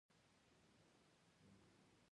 تالابونه د افغانستان د زرغونتیا یوه مهمه نښه ده.